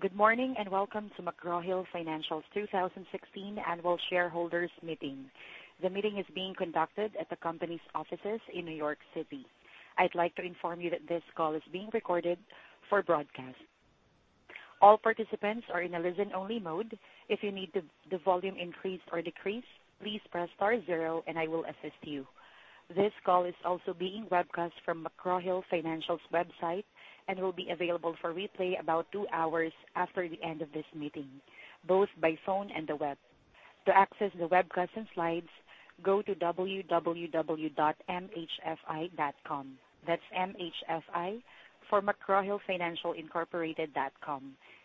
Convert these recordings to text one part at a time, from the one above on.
Good morning, welcome to McGraw Hill Financial's 2016 annual shareholders meeting. The meeting is being conducted at the company's offices in New York City. I'd like to inform you that this call is being recorded for broadcast. All participants are in a listen-only mode. If you need the volume increased or decreased, please press star zero and I will assist you. This call is also being webcast from McGraw Hill Financial's website and will be available for replay about 2 hours after the end of this meeting, both by phone and the web. To access the webcast and slides, go to www.mhfi.com. That's M-H-F-I for mcgrawhillfinancialincorporated.com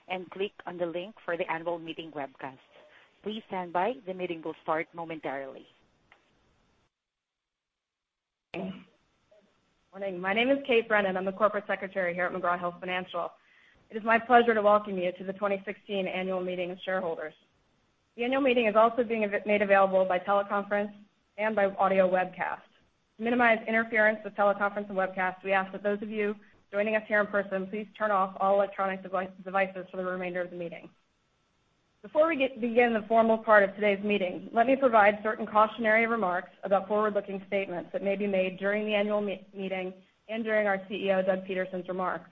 and click on the link for the annual meeting webcast. Please stand by. The meeting will start momentarily. Morning. My name is Kate Brennan. I'm the Corporate Secretary here at McGraw Hill Financial. It is my pleasure to welcome you to the 2016 annual meeting of shareholders. The annual meeting is also being made available by teleconference and by audio webcast. To minimize interference with teleconference and webcast, we ask that those of you joining us here in person, please turn off all electronic devices for the remainder of the meeting. Before we begin the formal part of today's meeting, let me provide certain cautionary remarks about forward-looking statements that may be made during the annual meeting and during our CEO, Doug Peterson's remarks.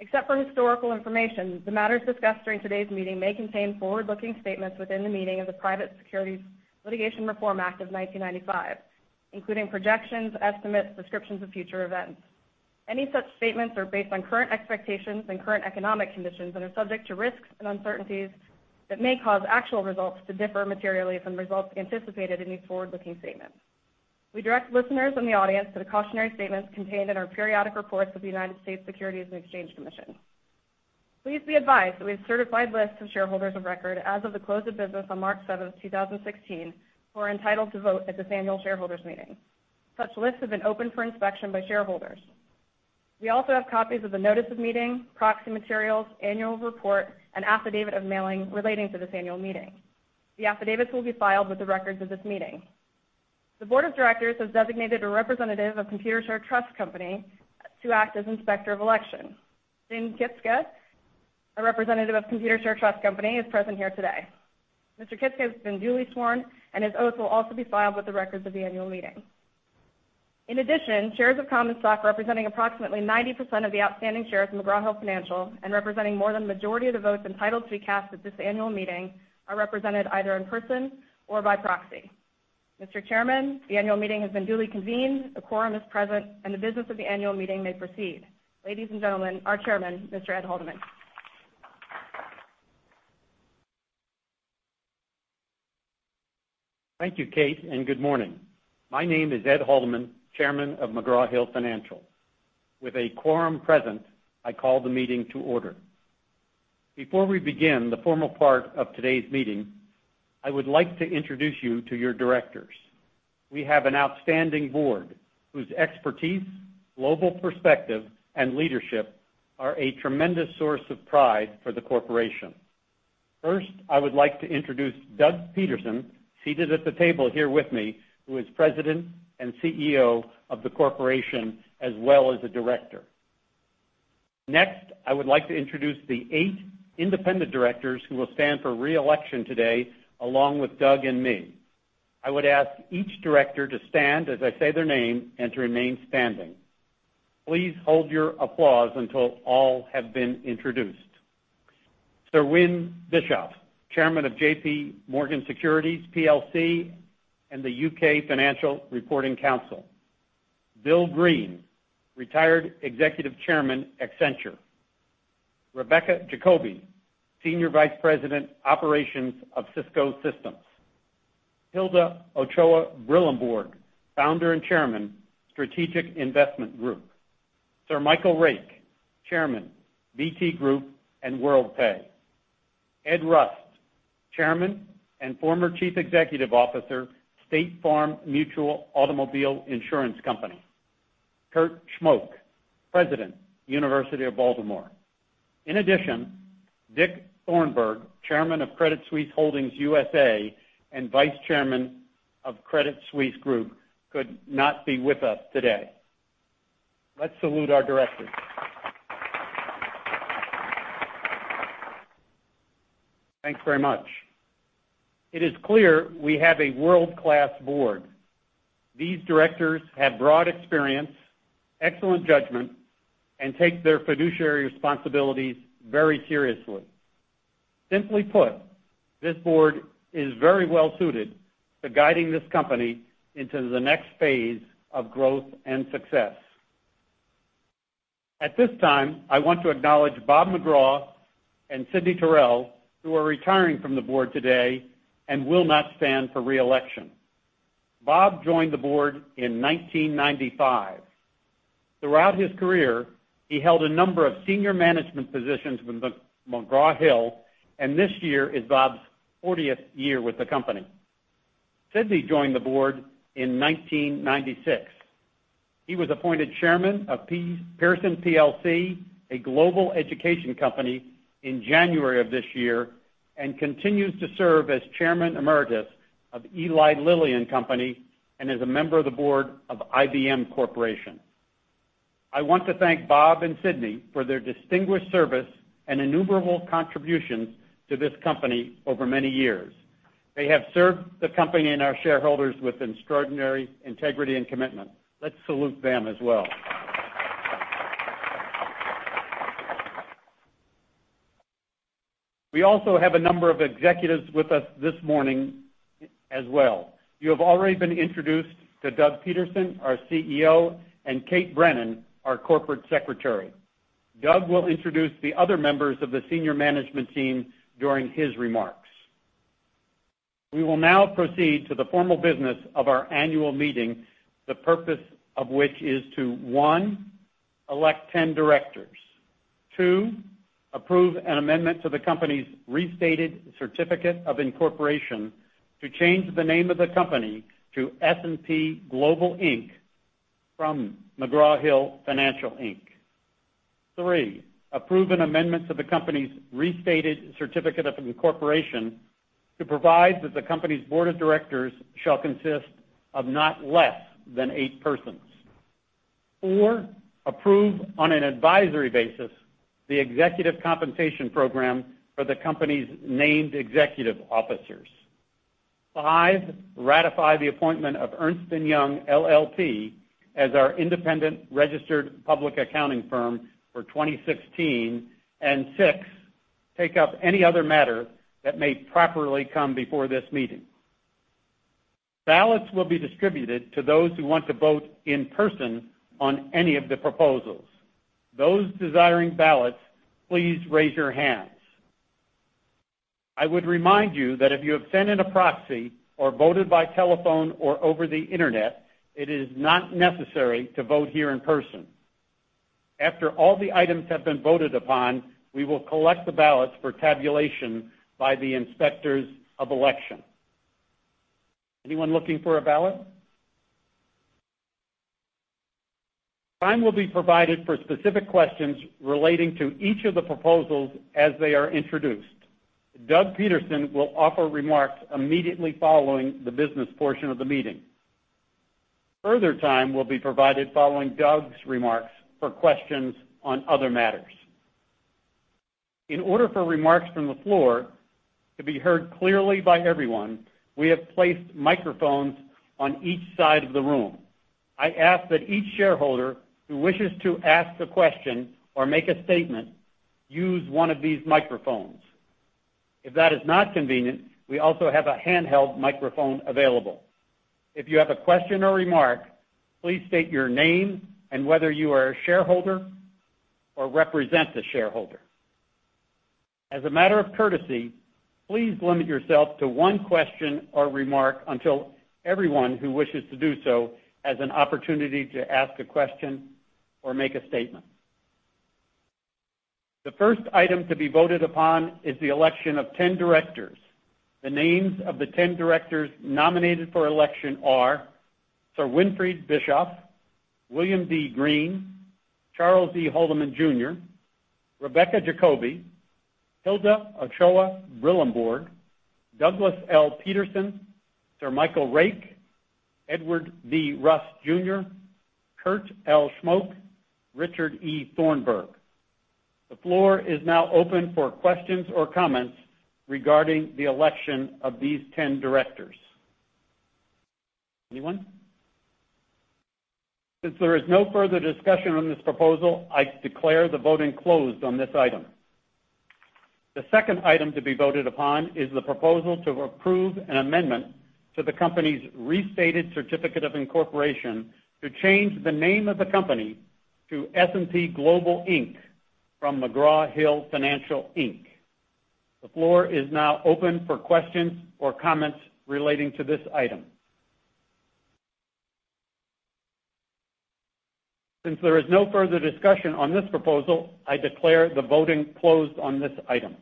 Except for historical information, the matters discussed during today's meeting may contain forward-looking statements within the meaning of the Private Securities Litigation Reform Act of 1995, including projections, estimates, descriptions of future events. Any such statements are based on current expectations and current economic conditions and are subject to risks and uncertainties that may cause actual results to differ materially from results anticipated in these forward-looking statements. We direct listeners in the audience to the cautionary statements contained in our periodic reports with the United States Securities and Exchange Commission. Please be advised that we have certified lists of shareholders of record as of the close of business on March 7th, 2016, who are entitled to vote at this annual shareholders meeting. Such lists have been open for inspection by shareholders. We also have copies of the notice of meeting, proxy materials, annual report, and affidavit of mailing relating to this annual meeting. The affidavits will be filed with the records of this meeting. The board of directors has designated a representative of Computershare Trust Company to act as inspector of election. Jim Kitskes, a representative of Computershare Trust Company, is present here today. Mr. Kitskes has been duly sworn, and his oath will also be filed with the records of the annual meeting. In addition, shares of common stock representing approximately 90% of the outstanding shares in McGraw Hill Financial and representing more than the majority of the votes entitled to be cast at this annual meeting are represented either in person or by proxy. Mr. Chairman, the annual meeting has been duly convened, a quorum is present, and the business of the annual meeting may proceed. Ladies and gentlemen, our Chairman, Mr. Ed Haldeman. Thank you, Kate. Good morning. My name is Ed Haldeman, Chairman of McGraw Hill Financial. With a quorum present, I call the meeting to order. Before we begin the formal part of today's meeting, I would like to introduce you to your directors. We have an outstanding board whose expertise, global perspective, and leadership are a tremendous source of pride for the corporation. First, I would like to introduce Doug Peterson, seated at the table here with me, who is President and CEO of the corporation, as well as a director. Next, I would like to introduce the eight independent directors who will stand for re-election today, along with Doug and me. I would ask each director to stand as I say their name and to remain standing. Please hold your applause until all have been introduced. Sir Win Bischoff, chairman of J.P. Morgan Securities plc and the UK Financial Reporting Council. Bill Green, retired executive chairman, Accenture. Rebecca Jacoby, senior vice president, operations of Cisco Systems. Hilda Ochoa-Brillembourg, founder and chairman, Strategic Investment Group. Sir Michael Rake, chairman, BT Group and Worldpay. Ed Rust, chairman and former chief executive officer, State Farm Mutual Automobile Insurance Company. Kurt Schmoke, president, University of Baltimore. In addition, Dick Thornburgh, chairman of Credit Suisse Holdings USA and vice chairman of Credit Suisse Group, could not be with us today. Let's salute our directors. Thanks very much. It is clear we have a world-class board. These directors have broad experience, excellent judgment, and take their fiduciary responsibilities very seriously. Simply put, this board is very well-suited to guiding this company into the next phase of growth and success. At this time, I want to acknowledge Bob McGraw and Sidney Taurel, who are retiring from the board today and will not stand for re-election. Bob joined the board in 1995. Throughout his career, he held a number of senior management positions with McGraw Hill, and this year is Bob's 40th year with the company. Sidney joined the board in 1996. He was appointed chairman of Pearson plc, a global education company, in January of this year and continues to serve as chairman emeritus of Eli Lilly and Company, and is a member of the board of IBM Corporation. I want to thank Bob and Sidney for their distinguished service and innumerable contributions to this company over many years. They have served the company and our shareholders with extraordinary integrity and commitment. Let's salute them as well. We also have a number of executives with us this morning as well. You have already been introduced to Doug Peterson, our CEO, and Kate Brennan, our Corporate Secretary. Doug will introduce the other members of the senior management team during his remarks. We will now proceed to the formal business of our annual meeting, the purpose of which is to, one, elect 10 directors. Two, approve an amendment to the company's restated certificate of incorporation to change the name of the company to S&P Global Inc. from McGraw Hill Financial Inc. Three, approve an amendment to the company's restated certificate of incorporation to provide that the company's board of directors shall consist of not less than eight persons. Four, approve on an advisory basis the executive compensation program for the company's named executive officers. Five, ratify the appointment of Ernst & Young LLP as our independent registered public accounting firm for 2016, and six, take up any other matter that may properly come before this meeting. Ballots will be distributed to those who want to vote in person on any of the proposals. Those desiring ballots, please raise your hands. I would remind you that if you have sent in a proxy or voted by telephone or over the internet, it is not necessary to vote here in person. After all the items have been voted upon, we will collect the ballots for tabulation by the inspectors of election. Anyone looking for a ballot? Time will be provided for specific questions relating to each of the proposals as they are introduced. Doug Peterson will offer remarks immediately following the business portion of the meeting. Further time will be provided following Doug's remarks for questions on other matters. In order for remarks from the floor to be heard clearly by everyone, we have placed microphones on each side of the room. I ask that each shareholder who wishes to ask a question or make a statement use one of these microphones. If that is not convenient, we also have a handheld microphone available. If you have a question or remark, please state your name and whether you are a shareholder or represent the shareholder. As a matter of courtesy, please limit yourself to one question or remark until everyone who wishes to do so has an opportunity to ask a question or make a statement. The first item to be voted upon is the election of 10 directors. The names of the 10 directors nominated for election are Sir Winfried Bischoff, William D. Green, Charles E. Haldeman Jr., Rebecca Jacoby, Hilda Ochoa-Brillembourg, Douglas L. Peterson, Sir Michael Rake, Edward V. Rust Jr., Kurt L. Schmoke, Richard E. Thornburgh. The floor is now open for questions or comments regarding the election of these 10 directors. Anyone? Since there is no further discussion on this proposal, I declare the voting closed on this item. The second item to be voted upon is the proposal to approve an amendment to the company's restated certificate of incorporation to change the name of the company to S&P Global Inc. from McGraw Hill Financial Inc. The floor is now open for questions or comments relating to this item. Since there is no further discussion on this proposal, I declare the voting closed on this item.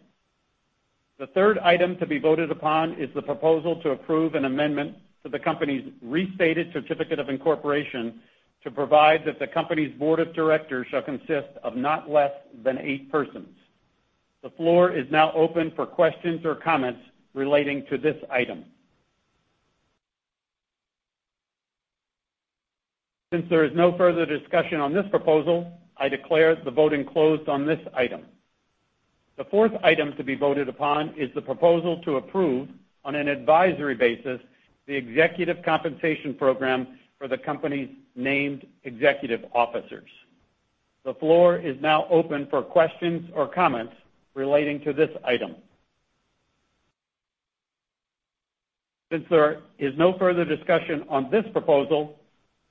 The third item to be voted upon is the proposal to approve an amendment to the company's restated certificate of incorporation to provide that the company's board of directors shall consist of not less than eight persons. The floor is now open for questions or comments relating to this item. Since there is no further discussion on this proposal, I declare the voting closed on this item. The fourth item to be voted upon is the proposal to approve, on an advisory basis, the executive compensation program for the company's named executive officers. The floor is now open for questions or comments relating to this item. Since there is no further discussion on this proposal,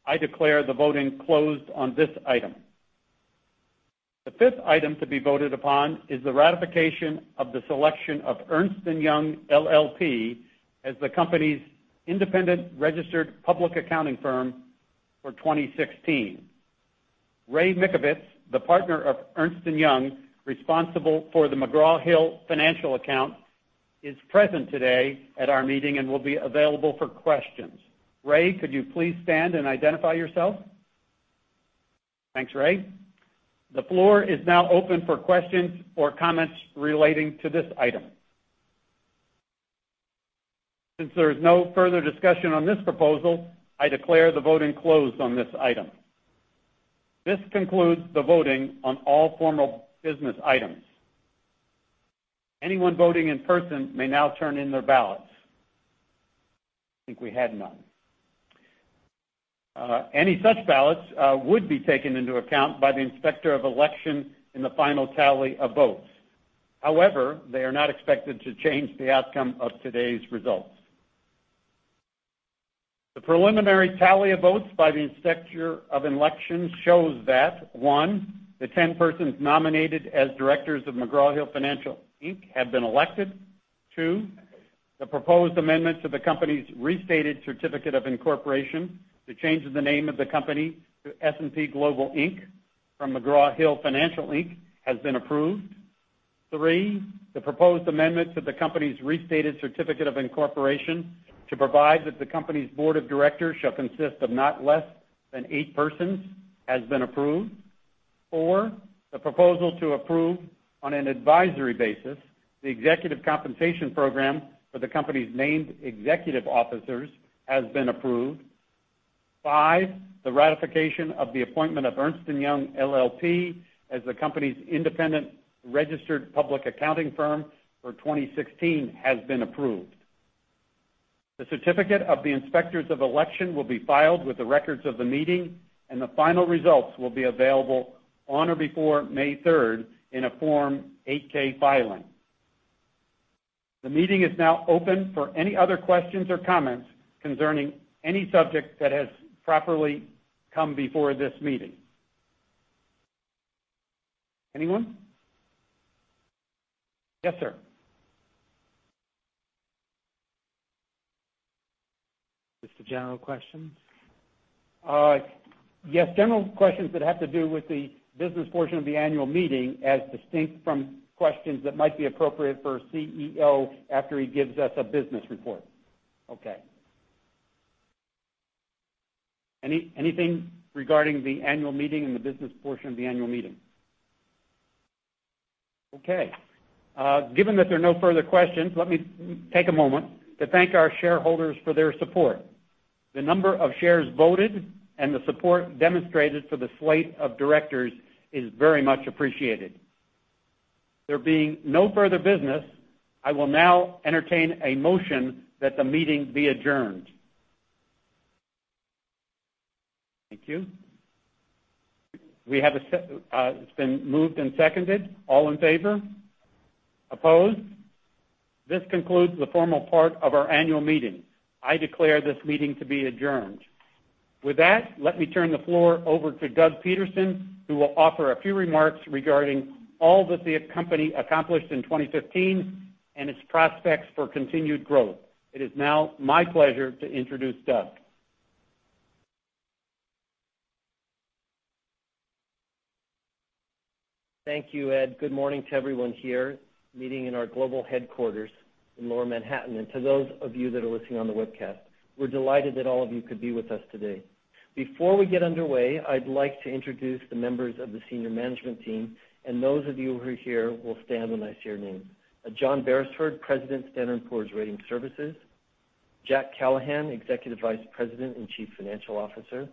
I declare the voting closed on this item. The fifth item to be voted upon is the ratification of the selection of Ernst & Young LLP as the company's independent registered public accounting firm for 2016. Ray Mikovits, the partner of Ernst & Young responsible for the McGraw Hill Financial account, is present today at our meeting and will be available for questions. Ray, could you please stand and identify yourself? Thanks, Ray. The floor is now open for questions or comments relating to this item. Since there is no further discussion on this proposal, I declare the voting closed on this item. This concludes the voting on all formal business items. Anyone voting in person may now turn in their ballots. I think we had none. Any such ballots would be taken into account by the Inspector of Election in the final tally of votes. However, they are not expected to change the outcome of today's results. The preliminary tally of votes by the Inspector of Elections shows that, one, the 10 persons nominated as directors of McGraw Hill Financial, Inc. have been elected. Two, the proposed amendments to the company's restated certificate of incorporation to change the name of the company to S&P Global Inc. from McGraw Hill Financial Inc. has been approved. Three, the proposed amendments to the company's restated certificate of incorporation to provide that the company's board of directors shall consist of not less than eight persons has been approved. Four, the proposal to approve, on an advisory basis, the executive compensation program for the company's named executive officers has been approved. Five, the ratification of the appointment of Ernst & Young LLP as the company's independent registered public accounting firm for 2016 has been approved. The certificate of the Inspectors of Election will be filed with the records of the meeting. The final results will be available on or before May 3rd in a Form 8-K filing. The meeting is now open for any other questions or comments concerning any subject that has properly come before this meeting. Anyone? Yes, sir. Just the general questions? General questions that have to do with the business portion of the annual meeting, as distinct from questions that might be appropriate for a CEO after he gives us a business report. Okay. Anything regarding the annual meeting and the business portion of the annual meeting? Given that there are no further questions, let me take a moment to thank our shareholders for their support. The number of shares voted and the support demonstrated for the slate of directors is very much appreciated. There being no further business, I will now entertain a motion that the meeting be adjourned. Thank you. It's been moved and seconded. All in favor? Opposed? This concludes the formal part of our annual meeting. I declare this meeting to be adjourned. With that, let me turn the floor over to Doug Peterson, who will offer a few remarks regarding all that the company accomplished in 2015 and its prospects for continued growth. It is now my pleasure to introduce Doug. Thank you, Ed. Good morning to everyone here meeting in our global headquarters in Lower Manhattan, and to those of you that are listening on the webcast. We're delighted that all of you could be with us today. Before we get underway, I'd like to introduce the members of the senior management team, and those of you who are here will stand when I say your name. John Berisford, President, Standard & Poor's Rating Services. Jack Callahan, Executive Vice President and Chief Financial Officer.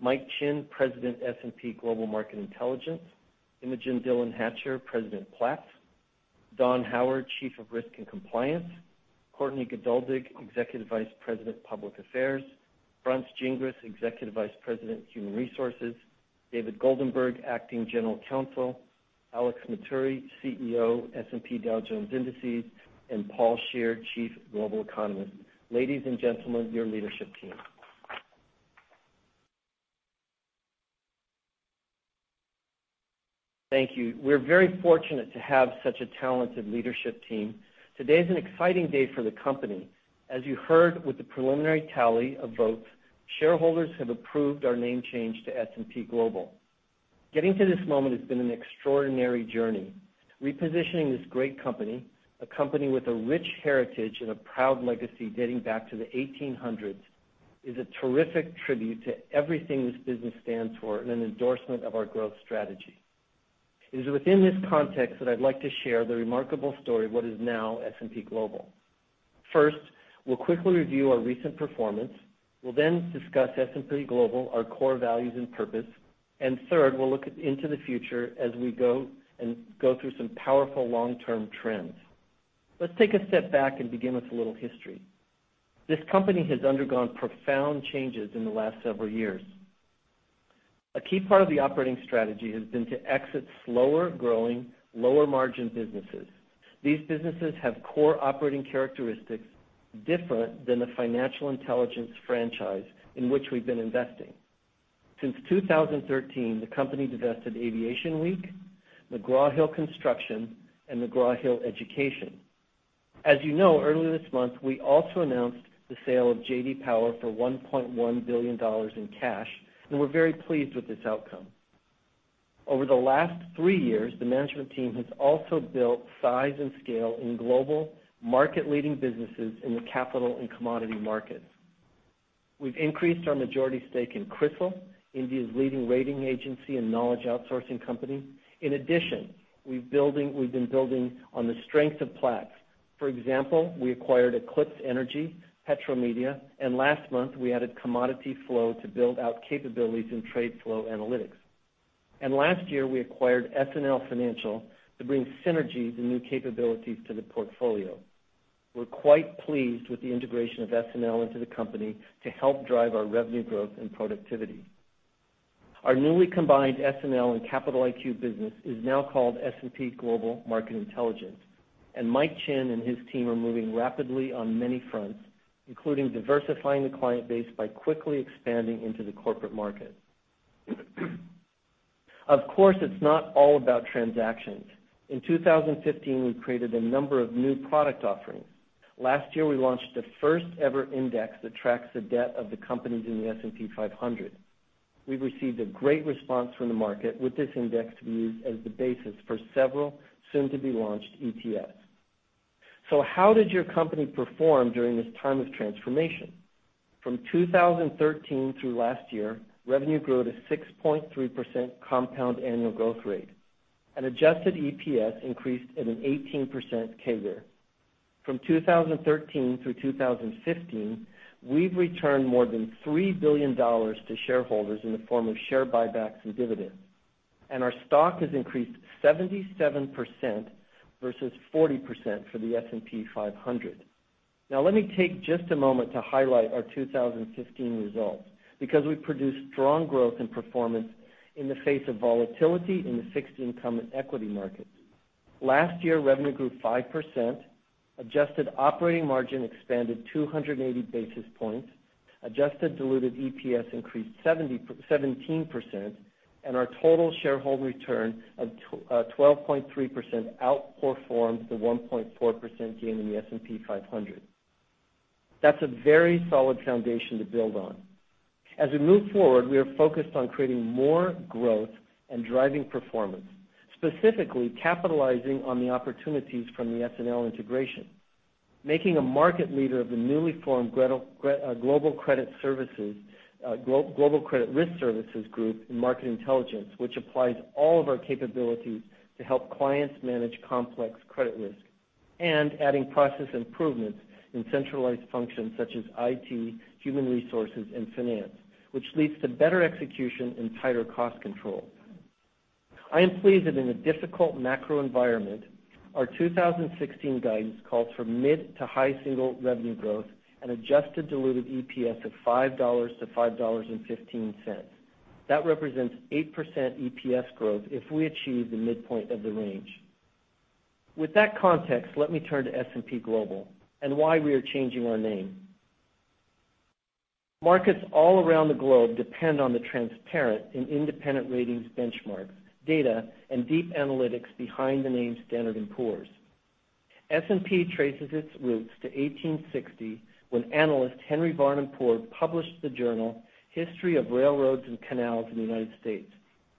Mike Chinn, President, S&P Global Market Intelligence. Imogen Dillon-Hatcher, President, Platts. Don Howard, Chief of Risk and Compliance. Courtney Geduldig, Executive Vice President, Public Affairs. France Gingras, Executive Vice President, Human Resources. David Goldenberg, Acting General Counsel. Alex Matturri, CEO, S&P Dow Jones Indices, and Paul Sheard, Chief Global Economist. Ladies and gentlemen, your leadership team. Thank you. We're very fortunate to have such a talented leadership team. Today is an exciting day for the company. As you heard with the preliminary tally of votes, shareholders have approved our name change to S&P Global. Getting to this moment has been an extraordinary journey. Repositioning this great company, a company with a rich heritage and a proud legacy dating back to the 1800s, is a terrific tribute to everything this business stands for and an endorsement of our growth strategy. It is within this context that I'd like to share the remarkable story of what is now S&P Global. We'll quickly review our recent performance. We'll then discuss S&P Global, our core values, and purpose. Third, we'll look into the future as we go through some powerful long-term trends. Let's take a step back and begin with a little history. This company has undergone profound changes in the last several years. A key part of the operating strategy has been to exit slower-growing, lower-margin businesses. These businesses have core operating characteristics different than the financial intelligence franchise in which we've been investing. Since 2013, the company divested Aviation Week, McGraw Hill Construction, and McGraw Hill Education. As you know, earlier this month, we also announced the sale of J.D. Power for $1.1 billion in cash, and we're very pleased with this outcome. Over the last three years, the management team has also built size and scale in global market-leading businesses in the capital and commodity markets. We've increased our majority stake in CRISIL, India's leading rating agency and knowledge outsourcing company. In addition, we've been building on the strength of Platts. For example, we acquired Eclipse Energy, Petromedia, and last month, we added Commodities Flow to build out capabilities in trade flow analytics. Last year, we acquired SNL Financial to bring synergies and new capabilities to the portfolio. We're quite pleased with the integration of SNL into the company to help drive our revenue growth and productivity. Our newly combined SNL and Capital IQ business is now called S&P Global Market Intelligence, and Mike Chinn and his team are moving rapidly on many fronts, including diversifying the client base by quickly expanding into the corporate market. Of course, it's not all about transactions. In 2015, we created a number of new product offerings. Last year, we launched the first ever index that tracks the debt of the companies in the S&P 500. We've received a great response from the market, with this index to be used as the basis for several soon-to-be-launched ETFs. How did your company perform during this time of transformation? From 2013 through last year, revenue grew at a 6.3% compound annual growth rate, and adjusted EPS increased at an 18% CAGR. From 2013 through 2015, we've returned more than $3 billion to shareholders in the form of share buybacks and dividends. Our stock has increased 77% versus 40% for the S&P 500. Let me take just a moment to highlight our 2015 results because we produced strong growth and performance in the face of volatility in the fixed income and equity markets. Last year, revenue grew 5%, adjusted operating margin expanded 280 basis points, adjusted diluted EPS increased 17%, and our total shareholder return of 12.3% outperformed the 1.4% gain in the S&P 500. That's a very solid foundation to build on. As we move forward, we are focused on creating more growth and driving performance, specifically capitalizing on the opportunities from the SNL integration, making a market leader of the newly formed Global Credit Risk Services group in Market Intelligence, which applies all of our capabilities to help clients manage complex credit risk, and adding process improvements in centralized functions such as IT, human resources, and finance, which leads to better execution and tighter cost control. I am pleased that in a difficult macro environment, our 2016 guidance calls for mid to high single revenue growth and adjusted diluted EPS of $5-$5.15. That represents 8% EPS growth if we achieve the midpoint of the range. With that context, let me turn to S&P Global and why we are changing our name. Markets all around the globe depend on the transparent and independent ratings benchmarks, data, and deep analytics behind the name Standard & Poor's. S&P traces its roots to 1860, when analyst Henry Varnum Poor published the journal "History of Railroads and Canals in the United States"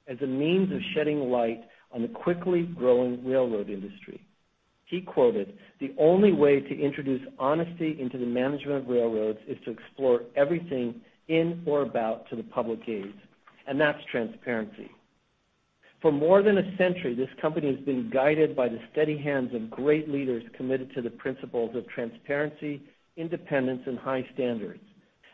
as a means of shedding light on the quickly growing railroad industry. He quoted, "The only way to introduce honesty into the management of railroads is to explore everything in or about to the public gaze," and that's transparency. For more than a century, this company has been guided by the steady hands of great leaders committed to the principles of transparency, independence, and high standards.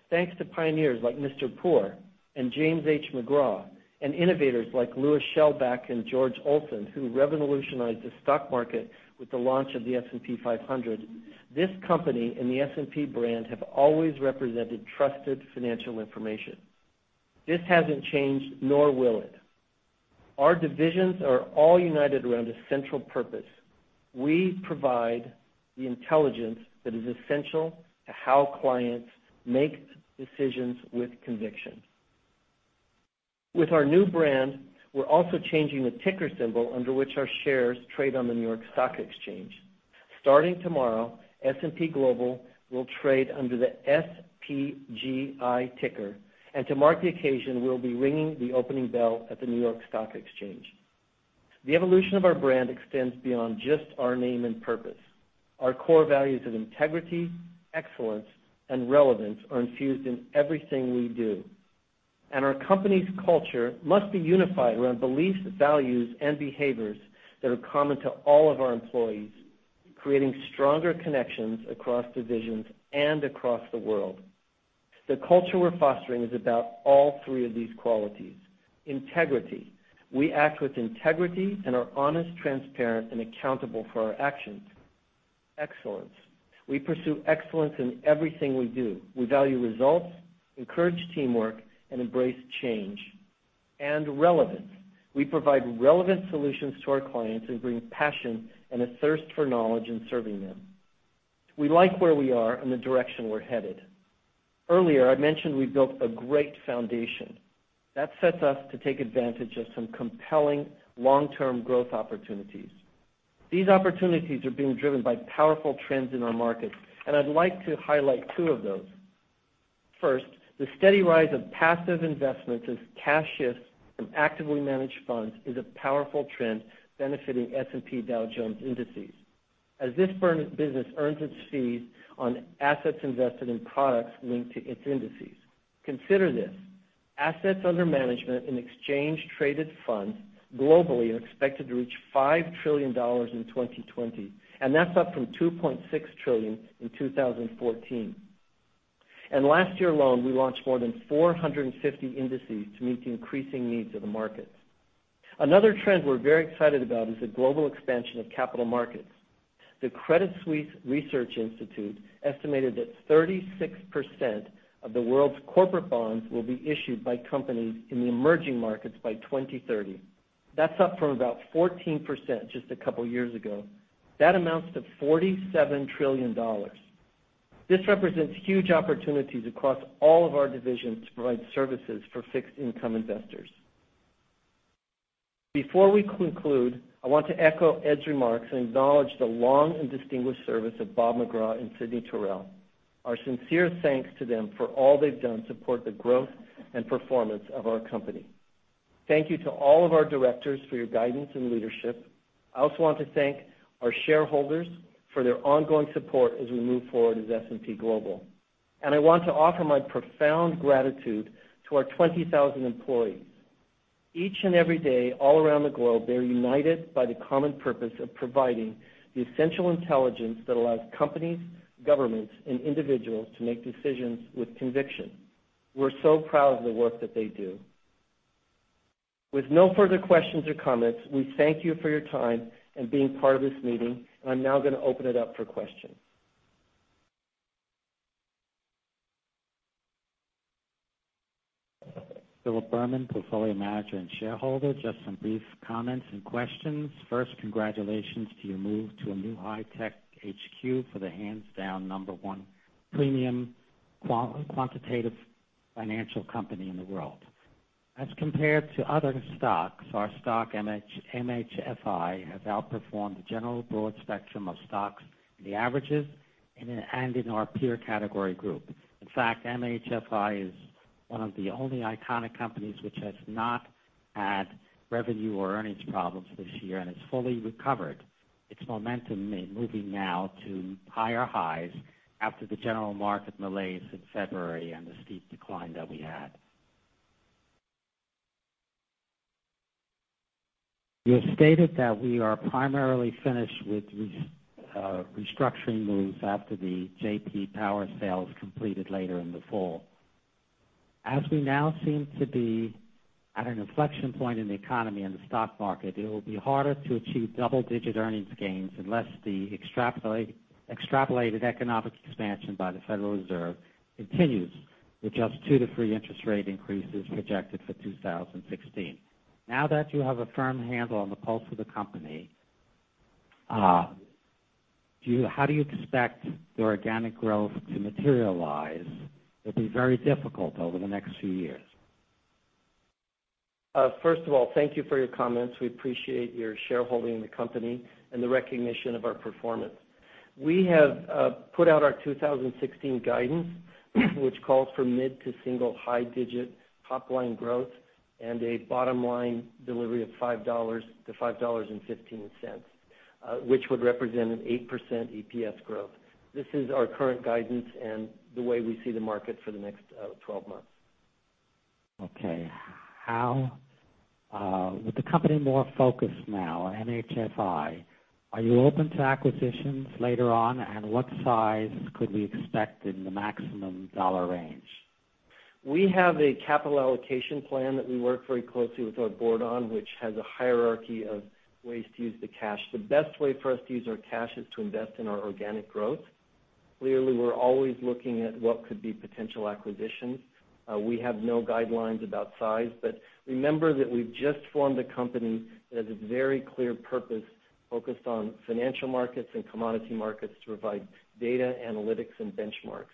Thanks to pioneers like Mr. Poor and James H. McGraw, and innovators like Lewis Schellbach and George Olsen, who revolutionized the stock market with the launch of the S&P 500, this company and the S&P brand have always represented trusted financial information. This hasn't changed, nor will it. Our divisions are all united around a central purpose. We provide the intelligence that is essential to how clients make decisions with conviction. With our new brand, we're also changing the ticker symbol under which our shares trade on the New York Stock Exchange. Starting tomorrow, S&P Global will trade under the SPGI ticker, and to mark the occasion, we'll be ringing the opening bell at the New York Stock Exchange. The evolution of our brand extends beyond just our name and purpose. Our core values of integrity, excellence, and relevance are infused in everything we do. Our company's culture must be unified around beliefs, values, and behaviors that are common to all of our employees, creating stronger connections across divisions and across the world. The culture we're fostering is about all three of these qualities. Integrity. We act with integrity and are honest, transparent, and accountable for our actions. Excellence. We pursue excellence in everything we do. We value results, encourage teamwork, and embrace change. Relevance. We provide relevant solutions to our clients and bring passion and a thirst for knowledge in serving them. We like where we are and the direction we're headed. Earlier, I mentioned we built a great foundation. That sets us to take advantage of some compelling long-term growth opportunities. These opportunities are being driven by powerful trends in our markets, and I'd like to highlight two of those. First, the steady rise of passive investments as cash shifts from actively managed funds is a powerful trend benefiting S&P Dow Jones Indices, as this business earns its fees on assets invested in products linked to its indices. Consider this, assets under management in exchange traded funds globally are expected to reach $5 trillion in 2020, and that's up from $2.6 trillion in 2014. Last year alone, we launched more than 450 indices to meet the increasing needs of the market. Another trend we're very excited about is the global expansion of capital markets. The Credit Suisse Research Institute estimated that 36% of the world's corporate bonds will be issued by companies in the emerging markets by 2030. That's up from about 14% just a couple of years ago. That amounts to $47 trillion. This represents huge opportunities across all of our divisions to provide services for fixed income investors. Before we conclude, I want to echo Ed's remarks and acknowledge the long and distinguished service of Bob McGraw and Sidney Taurel. Our sincere thanks to them for all they've done to support the growth and performance of our company. Thank you to all of our directors for your guidance and leadership. I also want to thank our shareholders for their ongoing support as we move forward as S&P Global. I want to offer my profound gratitude to our 20,000 employees. Each and every day, all around the globe, they're united by the common purpose of providing the essential intelligence that allows companies, governments, and individuals to make decisions with conviction. We're so proud of the work that they do. With no further questions or comments, we thank you for your time and being part of this meeting. I'm now going to open it up for questions. Philip Berman, portfolio manager and shareholder. Just some brief comments and questions. First, congratulations to your move to a new high-tech HQ for the hands down number 1 premium quantitative financial company in the world. As compared to other stocks, our stock, MHFI, has outperformed the general broad spectrum of stocks, the averages, and in our peer category group. In fact, MHFI is one of the only iconic companies which has not had revenue or earnings problems this year and has fully recovered its momentum, moving now to higher highs after the general market malaise in February and the steep decline that we had. You have stated that we are primarily finished with restructuring moves after the J.D. Power sale is completed later in the fall. As we now seem to be at an inflection point in the economy and the stock market, it will be harder to achieve double-digit earnings gains unless the extrapolated economic expansion by the Federal Reserve continues with just two to three interest rate increases projected for 2016. Now that you have a firm handle on the pulse of the company, how do you expect your organic growth to materialize? It'll be very difficult over the next few years. First of all, thank you for your comments. We appreciate your shareholding in the company and the recognition of our performance. We have put out our 2016 guidance, which calls for mid to single high digit top-line growth and a bottom-line delivery of $5 to $5.15, which would represent an 8% EPS growth. This is our current guidance and the way we see the market for the next 12 months. Okay. With the company more focused now, MHFI, are you open to acquisitions later on, and what size could we expect in the maximum dollar range? We have a capital allocation plan that we work very closely with our board on, which has a hierarchy of ways to use the cash. The best way for us to use our cash is to invest in our organic growth. Clearly, we're always looking at what could be potential acquisitions. We have no guidelines about size, but remember that we've just formed a company that has a very clear purpose focused on financial markets and commodity markets to provide data analytics and benchmarks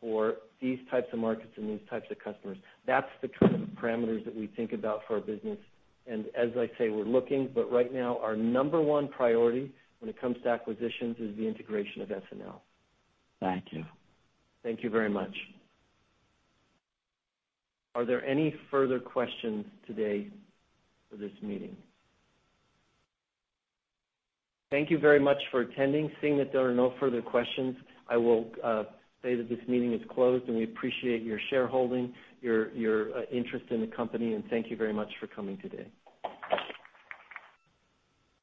for these types of markets and these types of customers. That's the kind of parameters that we think about for our business. As I say, we're looking, but right now our number one priority when it comes to acquisitions is the integration of SNL. Thank you. Thank you very much. Are there any further questions today for this meeting? Thank you very much for attending. Seeing that there are no further questions, I will say that this meeting is closed, and we appreciate your shareholding, your interest in the company, and thank you very much for coming today.